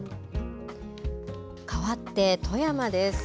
かわって富山です。